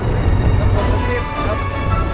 อันนี้ก็คือพูดมาแล้วโปรดนะครับวิทยาลัยพูดหมดแล้วนะครับ